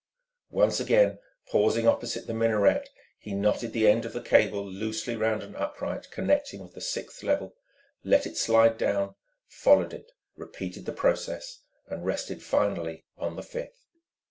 Once again pausing opposite the minaret, he knotted the end of the cable loosely round an upright connecting with the sixth level, let it slide down, followed it, repeated the process, and rested finally on the fifth.